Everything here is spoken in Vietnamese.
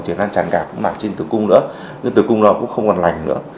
thì nó lan tràn cả mặt trên tử cung nữa nhưng tử cung nó cũng không còn lành nữa